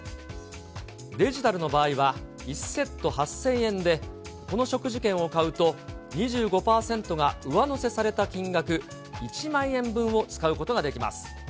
デジタルの場合は１セット８０００円で、この食事券を買うと、２５％が上乗せされた金額、１万円分を使うことができます。